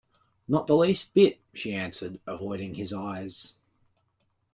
“Not the least bit,” she answered, avoiding his eyes.